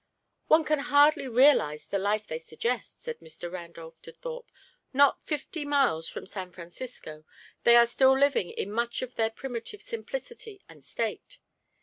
"One can hardly realise the life they suggest," said Mr. Randolph to Thorpe. "Not fifty miles from San Francisco, they are still living in much of their primitive simplicity and state.